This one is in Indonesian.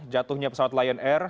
jatuhnya pesawat lion air